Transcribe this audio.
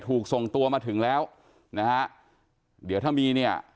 ถูกส่งตัวมาถึงแล้วนะฮะเดี๋ยวถ้ามีเนี่ย